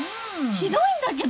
ひどいんだけど。